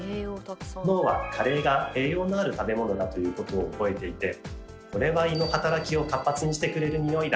脳はカレーが栄養のある食べ物だということを覚えていて「これは胃の働きを活発にしてくれる匂いだ！」